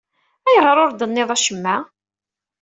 Ayɣer ur d-tenniḍ acemma?